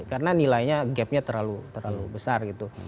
karena nilainya gapnya terlalu besar gitu